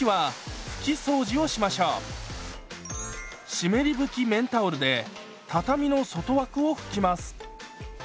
湿り拭き綿タオルで畳の外枠を拭きます。